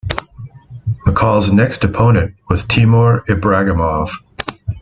McCall's next opponent was Timur Ibragimov.